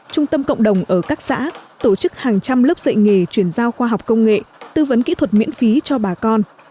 trung tâm cộng đồng ở các xã tổ chức hàng trăm lớp dạy nghề chuyển giao khoa học công nghệ tư vấn kỹ thuật miễn phí cho bà con